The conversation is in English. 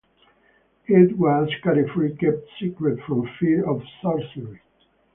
It was carefully kept secret from fear of sorcery.